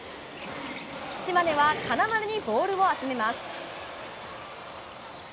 島根は金丸にボールを集めます。